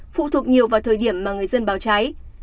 phụ thuộc nhiều vào thời điểm mà người dân báo cháy